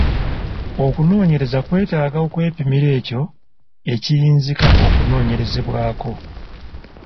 Okunoonyereza kwetaaga okwepimira ekyo ekiyinzika okunoonyerezebwako.